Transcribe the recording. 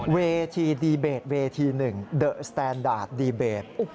เวทีดีเบตเวที๑เดอะสแตนดาร์ดดีเบต